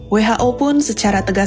who pun secara tegasnya